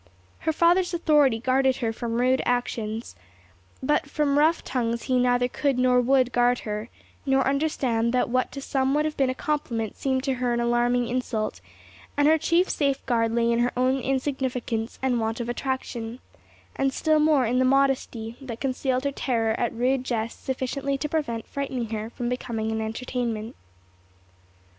Her father's authority guarded her from rude actions, but from rough tongues he neither could nor would guard her, nor understand that what to some would have been a compliment seemed to her an alarming insult; and her chief safeguard lay in her own insignificance and want of attraction, and still more in the modesty that concealed her terror at rude jests sufficiently to prevent frightening her from becoming an entertainment.